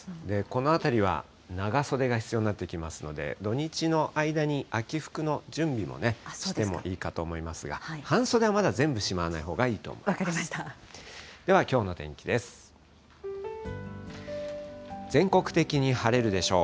このあたりは長袖が必要になってきますので、土日の間に秋服の準備もね、してもいいかと思いますが、半袖はまだ全部しまわないほ分かりました。